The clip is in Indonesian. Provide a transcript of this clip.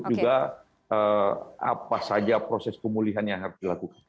juga apa saja proses pemulihan yang harus dilakukan